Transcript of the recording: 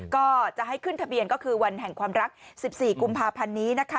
ก็จะให้ขึ้นทะเบียนก็คือวันแห่งความรัก๑๔กุมภาพันธ์นี้นะคะ